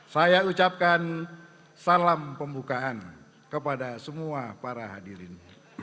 saya ucapkan salam pembukaan kepada semua para hadirin